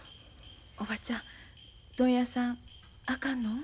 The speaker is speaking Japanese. おばちゃん問屋さんあかんの？